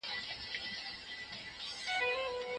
اوس به مي ستا پر کوڅه سمه جنازه تېرېږي